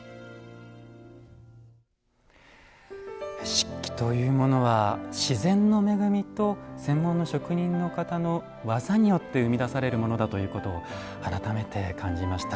漆器というものは自然の恵みと専門の職人の方の技によって生み出されるものだということを改めて感じました。